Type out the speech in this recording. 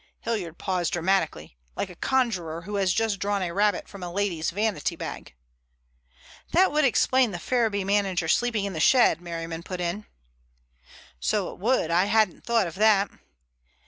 Hilliard paused dramatically, like a conjurer who has just drawn a rabbit from a lady's vanity bag. "That would explain that Ferriby manager sleeping in the shed," Merriman put in. "So it would. I hadn't thought of that."